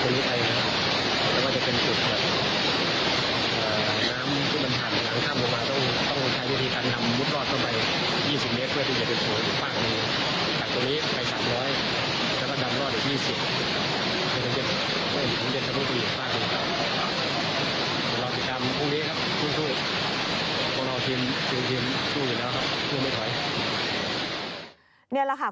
อยู่ล้มต้นแค่สามร้อยเมตรแล้วก็จะเป็นสุดแบบอ่าน้ำที่บันทันหลังข้ามหัวมาต้องต้องใช้วิธีการนำมุดรอดเข้าไปยี่สิบเมตรเพื่อที่จะเป็นถูกฝากดีแต่ตัวนี้ไปสามร้อยแล้วก็ดำรอดอีกยี่สิบ